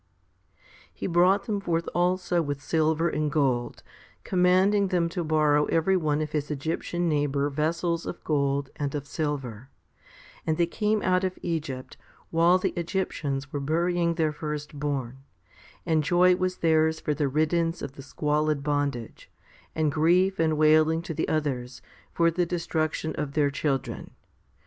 5. He brought them forth also with silver and gold, 2 commanding them to borrow every one of his Egyptian neighbour vessels of gold and of silver ; and they came out of Egypt while the Egyptians were burying their firstborn, and joy was theirs for their riddance of the squalid bondage, and grief and wailing to the others for the destruction of their children.